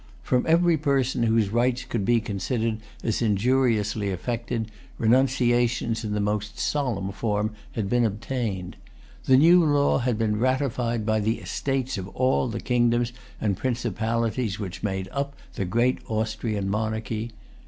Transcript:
From every person whose rights could be considered as injuriously affected, renunciations in the most solemn form had been obtained. The new law had been ratified by the Estates of all the kingdoms and principalities which made up the great Austrian monarchy.